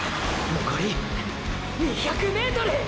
のこり２００ｍ！！